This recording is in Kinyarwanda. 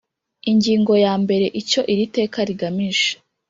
Ingingo ya mbere icyo iri teka rigamije